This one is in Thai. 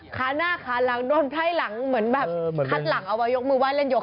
ขาดหน้าขาดหลังขาดหลังเอาไปยกมือไว้เล่นโยคะ